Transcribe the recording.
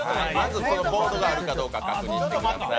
ボードがあるかどうか確認してください